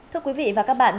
thưa quý vị và các bạn